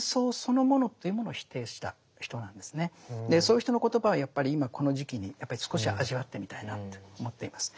そういう人の言葉はやっぱり今この時期にやっぱり少し味わってみたいなって思っています。